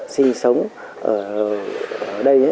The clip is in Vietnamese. sinh sống ở đây